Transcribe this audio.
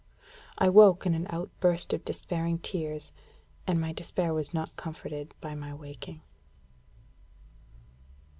I woke in an outburst of despairing tears, and my despair was not comforted by my waking.